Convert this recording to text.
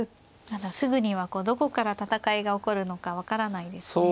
まだすぐにはどこから戦いが起こるのか分からないですね。